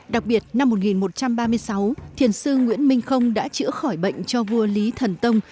đặc biệt năm một nghìn một trăm ba mươi sáu thiền sư nguyễn minh không đã chữa khỏi bệnh cho vua lý thần tông